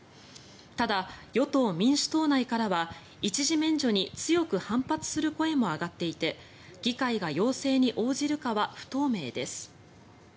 ただ、与党・民主党内からは一時免除に強く反発する声も上がっていて議会が要請に応じるかは不透明です。